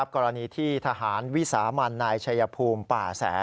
กรณีที่ทหารวิสามันนายชัยภูมิป่าแส